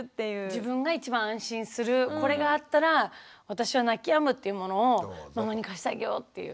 自分が一番安心するこれがあったら私は泣きやむっていうものをママに貸してあげようっていう。